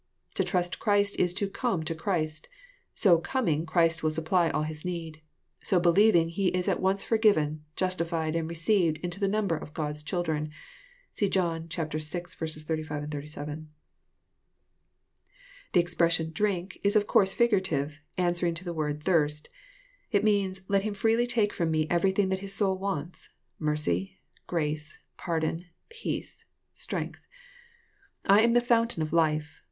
To trust Christ is to " come " to Christ. — So coming," Christ will supply all his need. So believing, he is at once forgiven, justified, and received into the number of God's children. (See John vi. 36, 37.) The expression "drink," is of course figurative, answering to the word thirst." It means, " Let him freely take from me everything that his soul wants, — mercy, grace, pardon, peace, strength. I am the fountain of life.